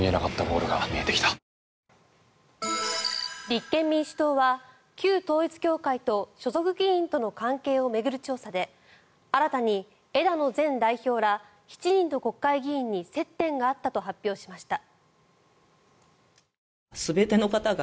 立憲民主党は旧統一教会と所属議員との関係を巡る調査で新たに枝野前代表ら７人の国会議員に接点があったと発表しました。